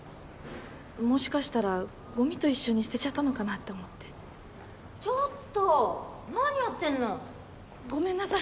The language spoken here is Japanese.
もしかしたらゴミと一緒に捨てちゃったのかなって思ってちょっと何やってんのごめんなさい